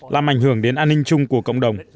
làm ảnh hưởng đến an ninh chung của cộng đồng